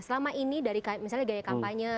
selama ini dari misalnya gaya kampanye